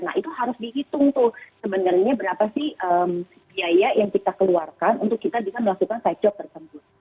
nah itu harus dihitung tuh sebenarnya berapa sih biaya yang kita keluarkan untuk kita bisa melakukan side job tersebut